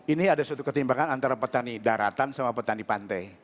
ini ada suatu ketimbangan antara petani daratan sama petani pantai